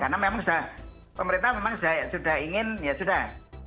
karena memang sudah pemerintah memang sudah ingin ya sudah